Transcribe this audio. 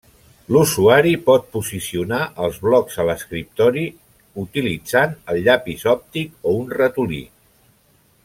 L'usuari pot posicionar els blocs a l'escriptori utilitzant el llapis òptic o un ratolí.